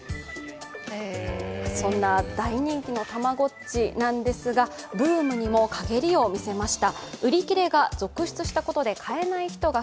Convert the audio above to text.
そんな大人気のたまごっちなんですがブームにも陰りを見せました。